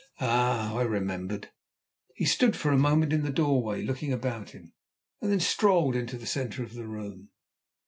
Ah! I remembered! He stood for a moment in the doorway looking about him, and then strolled into the centre of the room.